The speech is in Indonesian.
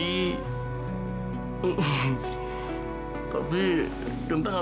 genta gak bisa ngelupain wajahnya mak